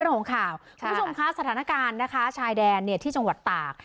เรื่องของข่าวคุณผู้ชมคะสถานการณ์นะคะชายแดนเนี่ยที่จังหวัดตาก